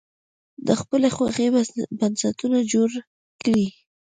د خپلې خوښې بنسټونه جوړ کړي.